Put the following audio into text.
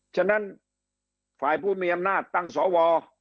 ฉะนั้นฝ่ายผู้มีอำนาจตั้งสว